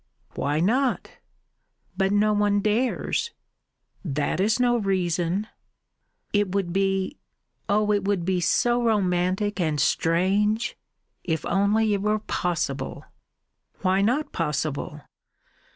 "Why not?" "But no one dares." "That is no reason." "It would be oh! it would be so romantic and strange. If only it were possible." "Why not possible?"